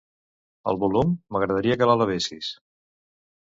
El volum; m'agradaria que l'elevessis.